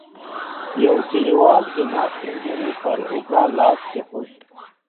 يوه کليوال د ناست سپين ږيری پر اوږه لاس کېښود.